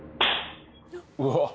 うわっ！